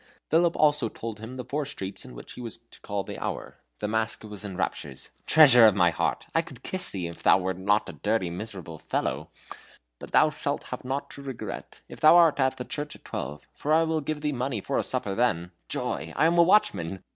Philip also told him the four streets in which he was to call the hour. The mask was in raptures: "Treasure of my heart, I could kiss thee if thou wert not a dirty, miserable fellow! But thou shalt have naught to regret, if thou art at the church at twelve, for I will give thee money for a supper then. Joy! I am a watchman!"